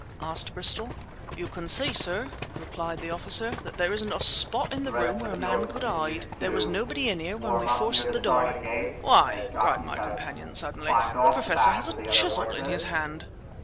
asked Bristol. "You can see, sir," replied the officer, "that there isn't a spot in the room where a man could hide! And there was nobody in here when we forced the door!" "Why!" cried my companion suddenly. "The Professor has a chisel in his hand!"